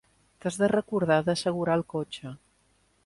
T'has de recordar d'assegurar el cotxe.